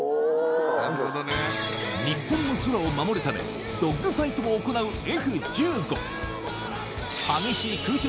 日本の空を守るためドッグファイトも行うＦ−１５